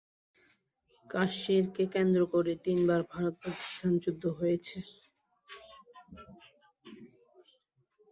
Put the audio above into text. কাশ্মীর কে কেন্দ্র করে তিন তিন বার ভারত-পাকিস্তান যুদ্ধ হয়েছে।